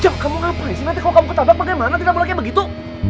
jam kamu ngapain sih nanti kalo kamu ketabrak bagaimana tidak boleh kayak begitu